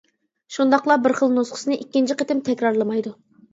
شۇنداقلا بىر خىل نۇسخىسىنى ئىككىنچى قېتىم تەكرارلىمايدۇ.